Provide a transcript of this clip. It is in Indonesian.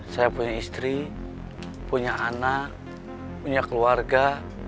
saya punya istri punya anak punya keluarga